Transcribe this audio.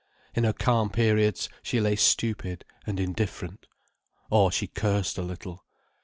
In her calm periods she lay stupid and indifferent—or she cursed a little.